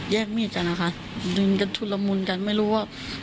แย่งมีดกันอะค่ะดึงถุลมุนกันไม่รู้ว่าเหมือนว่า